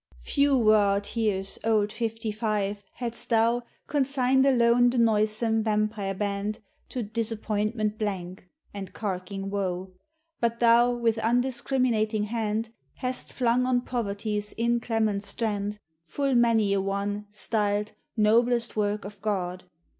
Few were our tears, old Fifty five, hadst thou Consigned alone the noisome vampire band To disappointment blank, and carking woe: But thou with undiscriminating hand Hast flung on poverty's inclement strand Full many a one styled "noblest work of God."